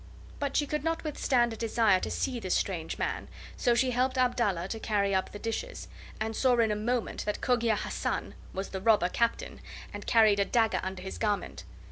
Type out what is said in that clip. But she could not withstand a desire to see this strange man, so she helped Abdallah to carry up the dishes, and saw in a moment that Cogia Hassan was the robber Captain, and carried a dagger under his garment.